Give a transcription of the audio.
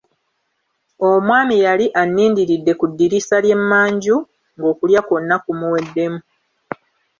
Omwami yali annindiridde ku ddirisa ery'emmanju ng'okulya kwonna kumuweddemu.